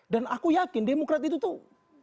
dan aku yakin demokrat itu tuh